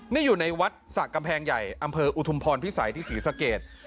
นี่อยู่ในวัดสะกำแพงใหญ่อำเภออุทุมพรพิสัยที่ศรีสะเกด